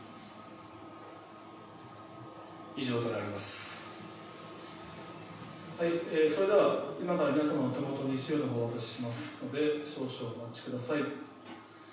ＴＶはいえそれでは今から皆様のお手元に資料のほうお渡ししますので少々お待ちください